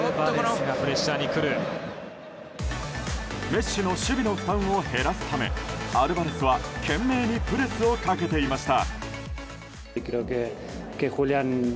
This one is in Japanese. メッシの守備の負担を減らすためアルバレスは懸命にプレスをかけていました。